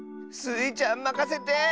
スイちゃんまかせて！